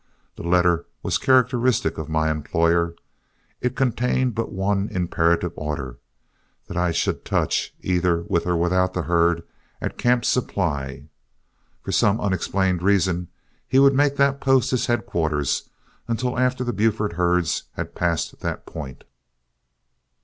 The letter was characteristic of my employer. It contained but one imperative order, that I should touch, either with or without the herd, at Camp Supply. For some unexplained reason he would make that post his headquarters until after the Buford herds had passed that point.